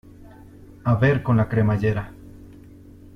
a ver con la cremallera.